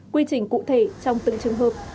quy trình cụ thể trong từng trường hợp